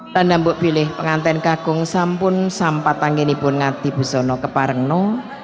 pendampuk bileh pengantin kakung sampun sampat tenggin ibu ngati buzono keparengno